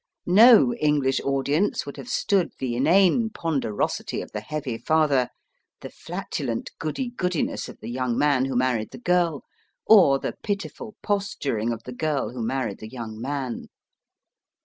No English audience would have stood the inane ponderosity of the heavy father, the flatulent goody goodiness of the young man who married the girl, or the pitiful posturing of the girl who married the young man.